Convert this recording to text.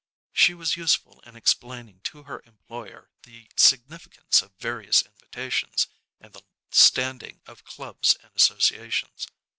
She was useful in explaining to her employer the significance of various invitations, and the standing of clubs and associations.